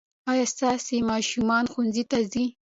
ايا ستاسې ماشومان ښوونځي ته ځي؟